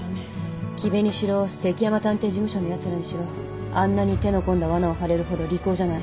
岐部にしろ関山探偵事務所のやつらにしろあんなに手の込んだわなを張れるほど利口じゃない。